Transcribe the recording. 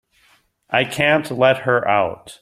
I can't let her out.